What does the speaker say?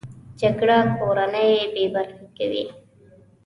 جګړه کورنۍ بې برخې کوي